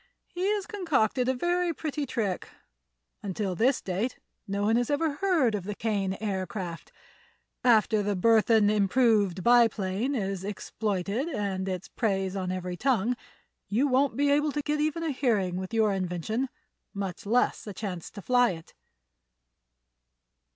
He has concocted a very pretty trick. Until this date no one has ever heard of the Kane Aircraft. After the Burthon Improved Biplane is exploited and its praise on every tongue, you won't be able to get even a hearing with your invention, much less a chance to fly it."